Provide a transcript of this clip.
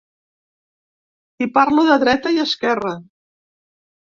I parlo de dreta i esquerra.